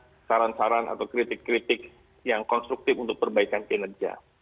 jadi kita harus mengambil saran saran atau kritik kritik yang konstruktif untuk perbaikan kinerja